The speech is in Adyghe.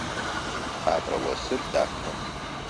Апэрэ осыр дахэ.